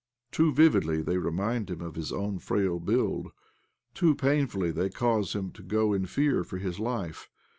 Too vividly they remind him of his own frail build; too painfully they cause him to go in fear for his life.